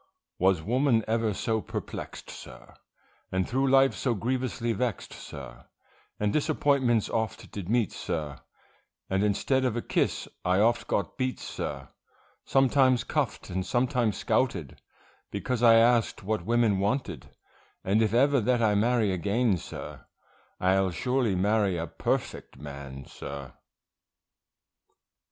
Was woman ever so perplex'd, sir, And through life so grievously vex'd, sir, And disappointments oft did meet, sir, And instead of a kiss, I oft got beat, sir, Sometimes cuff'd and sometimes scouted, Because I asked what woman wanted, And if ever that I marry again, sir, I'll surely marry a perfect man, sir.